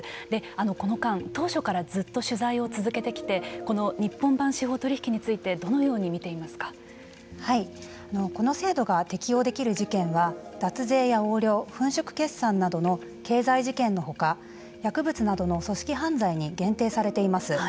あの間当初からずっと取材を続けてきてこの日本版・司法取引についてこの制度が適用できる事件は脱税や横領粉飾決算などの経済事件のほか薬物などの組織犯罪に限定されています。